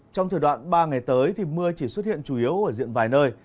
trong thời đoạn ba ngày tới thì mưa chỉ xuất hiện chủ yếu ở diện vài nơi